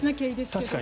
確かに。